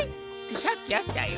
さっきあったよ。